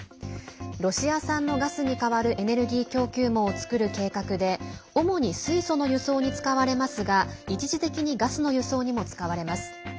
ロシア産のガスに代わるエネルギー供給網を作る計画で主に水素の輸送に使われますが一時的にガスの輸送にも使われます。